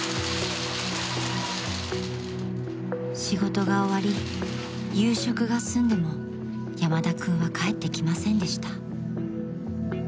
［仕事が終わり夕食が済んでも山田君は帰ってきませんでした］